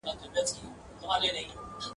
دوی به دواړه وي سپاره اولس به خر وي !.